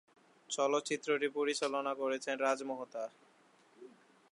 চলচ্চিত্রটি পরিচালনা করেছেন রাজ মেহতা।